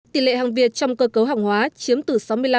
tỷ lệ hàng việt trong cơ cấu hàng hóa chiếm từ sáu mươi năm chín mươi năm